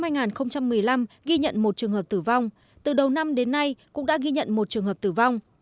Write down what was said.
năm hai nghìn một mươi năm ghi nhận một trường hợp tử vong từ đầu năm đến nay cũng đã ghi nhận một trường hợp tử vong